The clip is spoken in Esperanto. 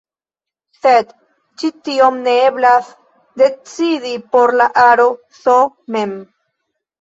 Sed ĉi tion ne eblas decidi por la aro "S" mem.